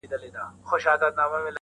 نه بارونه وړي نه بل څه ته په کار دی!!